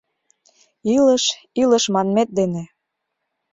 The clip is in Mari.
Илыш, илыш манмет дене